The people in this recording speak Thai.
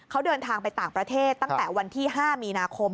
เขาเดินทางไปต่างประเทศตั้งแต่วันที่๕มีนาคม